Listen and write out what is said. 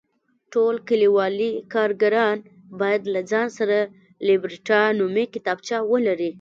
ټول کلیوالي کارګران باید له ځان سره لیبرټا نومې کتابچه ولري.